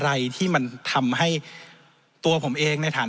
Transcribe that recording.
ศาลของต่อแม่กล้องกลับมา